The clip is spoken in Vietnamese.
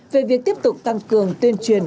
về việc tiếp tục tăng cường tuyên truyền